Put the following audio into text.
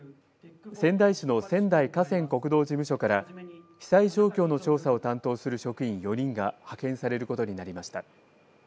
仙台市の仙台河川国道事務所から被災状況の調査を担当する職員４人が派遣されることになりました。